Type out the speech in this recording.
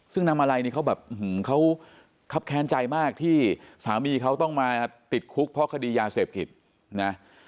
ซึ่งนางมาลัยนี่เขาแบบเขาครับแค้นใจมากที่สามีเขาต้องมาติดคุกเพราะคดียาเสพติดนะ